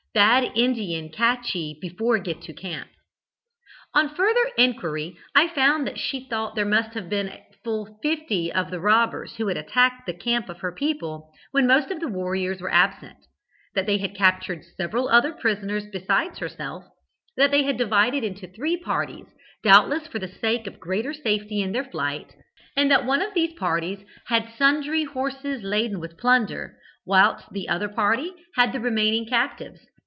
Bad Indian catchee before get to camp.' "On further inquiry I found that she thought there must have been full fifty of the robbers who had attacked the camp of her people when most of the warriors were absent that they had captured several other prisoners besides herself that they had divided into three parties, doubtless for the sake of greater safety in their flight, and that one of these parties had sundry horses laden with plunder, whilst the other party had the remaining captives.